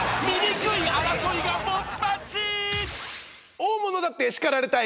「大物だって叱られたい！